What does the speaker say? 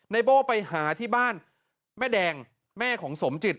โบ้ไปหาที่บ้านแม่แดงแม่ของสมจิต